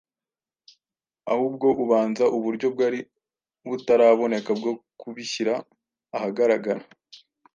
ahubwo ubanza uburyo bwari butaraboneka bwo kubishyira ahagaragara